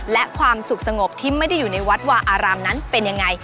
และความสุขสงบที่ไม่ได้อยู่ในวัดวาอารามนั้นเป็นยังไง